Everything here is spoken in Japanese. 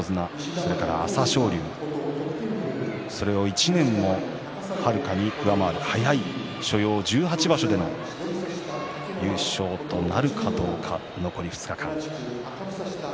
それから朝青龍それを１年もはるかに上回る早い所要１８場所での優勝となるかどうか残り２日間。